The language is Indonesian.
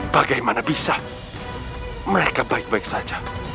segini sentuh tak ada aiwet raspberry